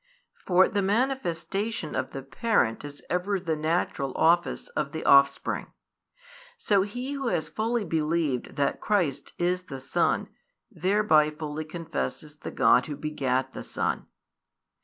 For the manifestation of the |193 parent is ever the natural office of the offspring. So he who has fully believed that Christ is the Son thereby fully confesses the God Who begat the Son.